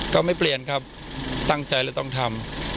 ก็ไม่เปลี่ยนครับตั้งใจแล้วต้องทำ